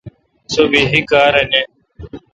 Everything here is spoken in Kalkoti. سو بحی کار نہ۔